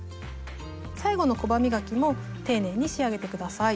最後のコバ磨きも丁寧に仕上げて下さい。